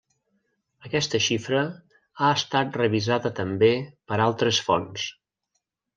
Aquesta xifra ha estat revisada també per altres fonts.